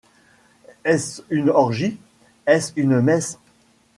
Est-ce une orgie, est-ce une messe